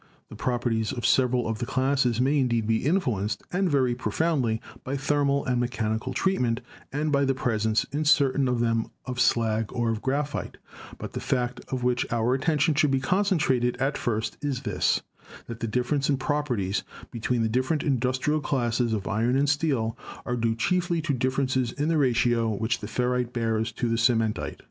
The properties of several of the classes may indeed be influenced, and very profoundly, by thermal and mechanical treatment and by the presence in certain of them of slag or of graphite ; but the fact on which our attention should be concentrated at MINING AND METALLURGY 289 first is this, that the difference in properties between the different industrial classes of iron and steel are due chiefly to differences in the ratio which the ferrite bears to the cementite.